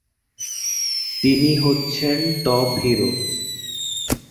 তিনি হচ্ছেন top hero.